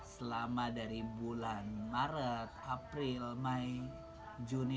selama dari bulan maret april mei juni